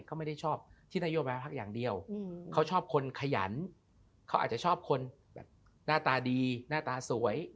เขาไม่ได้ชอบที่นโยบายพักอย่างเดียวเขาชอบคนขยันเขาอาจจะชอบคนแบบหน้าตาดีหน้าตาสวย